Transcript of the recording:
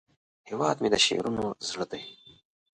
هیواد مې د شعرونو زړه دی